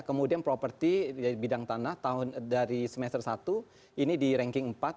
kemudian properti bidang tanah dari semester satu ini di ranking empat